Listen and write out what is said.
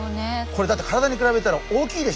これだって体に比べたら大きいでしょ？